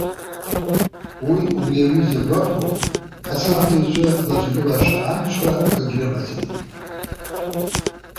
Уи, убри аҩыза гәаҟроуп, азхамҵаҩцәа злаҿагылаша амч ҳәа акгьы рымаӡам.